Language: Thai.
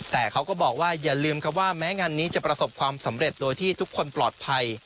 แต่เขาก็บอกว่าอย่าลืมครับว่าแม้งานนี้จะประสบความสำเร็จโดยที่ทุกคนปลอดภัย